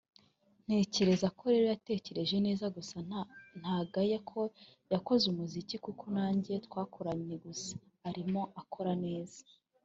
ntekereza ko rero yatekereje neza gusa ntagaya ko yakoze n’umuziki kuko nanjye twarakoranye gusa arimo arakora neza